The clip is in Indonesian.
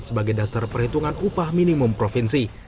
sebagai dasar perhitungan upah minimum provinsi